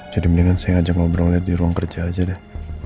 jadi mendingan saya ngajak ngobrol ngelir di ruang kerja aja deh